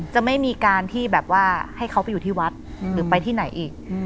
จะไม่มีการที่แบบว่าให้เขาไปอยู่ที่วัดหรือไปที่ไหนอีก